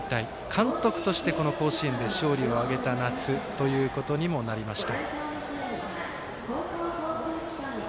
監督として、この甲子園で勝利を挙げた夏ということにもなりました。